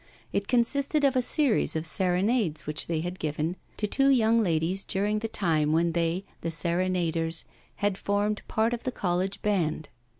It consisted of a series of serenades which they had given to two young ladies during the time when they, the serenaders, had formed part of the college band.